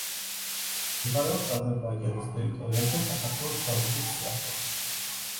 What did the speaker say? მდებარეობს აზერბაიჯანის ტერიტორიაზე, საქართველოს საზღვრის სიახლოვეს.